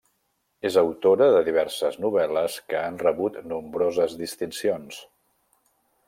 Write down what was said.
És autora de diverses novel·les que han rebut nombroses distincions.